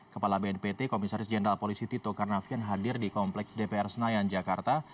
kepala bnpt komisaris jenderal polisi tito karnavian hadir di komplek dpr senayan jakarta